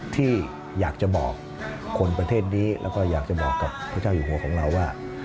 ที่อยากจะบอกคนประเทศนี้แล้วก็อยากจะบอกกับพระเจ้าอยู่หัวของเราว่า